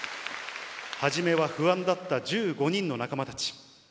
初めは不安だった１５人の仲間たち。